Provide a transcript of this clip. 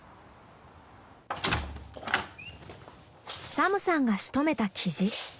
サムさんがしとめたキジ。